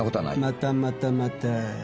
またまたまた。